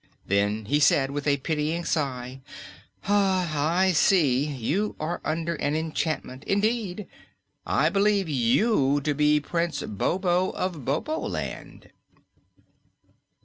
Then he said, with a pitying sigh: "I see; you are under an enchantment. Indeed, I believe you to be Prince Bobo of Boboland."